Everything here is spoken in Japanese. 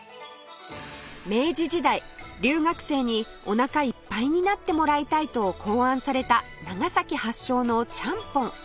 明治時代留学生にお腹いっぱいになってもらいたいと考案された長崎発祥のちゃんぽん